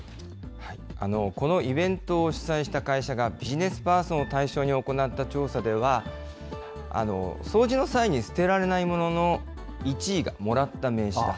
このイベントを主催した会社がビジネスパーソンを対象に行った調査では、掃除の際に捨てられないものの１位がもらった名刺だ